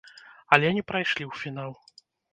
Але не прайшлі ў фінал.